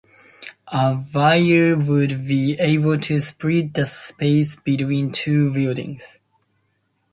A buyer would be able to split the space between two buildings.